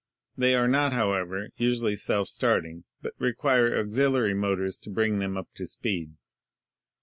They are not, .however, usually self starting, but require auxiliary motors to bring them up to speed.